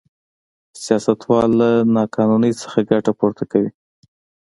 سیاستوال له نا قانونۍ څخه ګټه پورته کوي.